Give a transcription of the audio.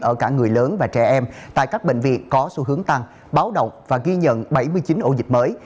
ở cả người lớn và trẻ em tại các bệnh viện có xu hướng tăng báo động và ghi nhận bảy mươi chín ổ dịch mới